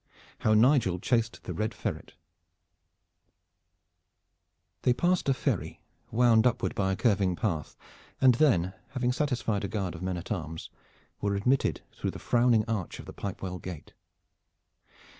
HOW NIGEL CHASED THE RED FERRET They passed a ferry, wound upward by a curving path, and then, having satisfied a guard of men at arms, were admitted through the frowning arch of the Pipewell Gate.